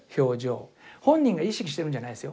本人が意識してるんじゃないですよ。